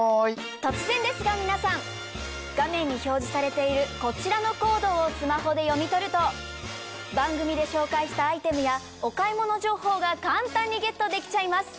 突然ですが皆さん画面に表示されているこちらのコードをスマホで読み取ると番組で紹介したアイテムやお買い物情報が簡単にゲットできちゃいます！